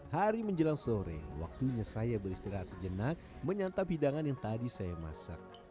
hari menjelang sore waktunya saya beristirahat sejenak menyantap hidangan yang tadi saya masak